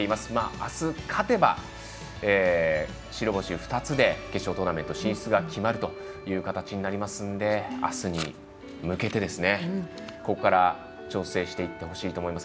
あす勝てば白星２つで決勝トーナメント進出が決まるという形になりますのであすに向けてここから調整していってほしいと思います。